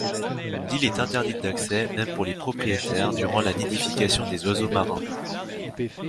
L'île est interdite d'accès, même pour les propriétaires, durant la nidification des oiseaux marins.